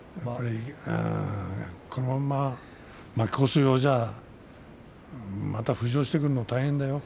このまま負け越すようじゃ浮上してくるのは大変だよ。